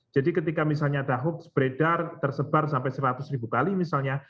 jadi ketika misalnya ada hoax beredar tersebar sampai seratus ribu kali misalnya